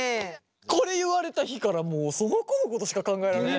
これ言われた日からもうその子のことしか考えられないね。